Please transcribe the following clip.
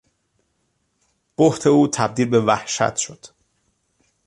بهت او تبدیل به وحشت شد.